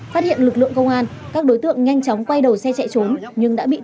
phát hiện lực lượng công an các đối tượng nhanh chóng quay đầu xe chạy trốn nhưng đã bị